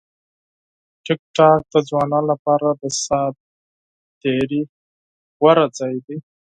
ټیکټاک د ځوانانو لپاره د ساعت تېري غوره ځای دی.